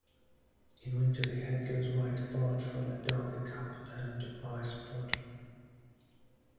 In winter, the head goes white apart from a darker cap and eye-spot.